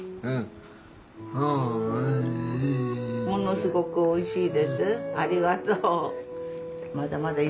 「ものすごくおいしいです」？